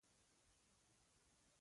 پنځلس ورځې وروسته ما ملا سنډکي ته وویل.